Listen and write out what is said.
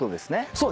そう！